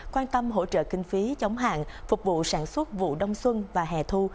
quan tâm hỗ trợ kinh phí chống hạn phục vụ sản xuất vụ đông xuân và hè thu